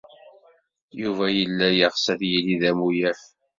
Yuba yella yeɣs ad yili d amuyaf.